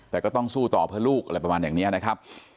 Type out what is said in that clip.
แต่ก็ต้องสู้ต่อเพื่อลูกอะไรประมาณอย่างนี้นะครับ